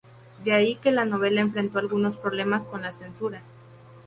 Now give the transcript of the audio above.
De ahí que la novela enfrentó algunos problemas con la censura.